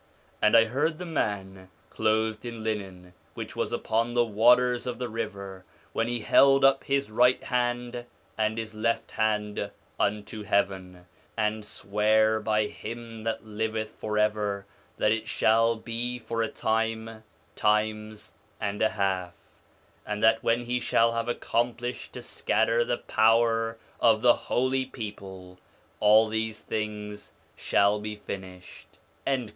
And I heard the man clothed in linen, which was upon the waters of the river, when he held up his right hand and his left hand unto heaven, and sware by him that liveth for ever that it shall be for a time, times and a half; and that when he shall have accomplished to scatter the power of the holy people, all these things shall be finished.'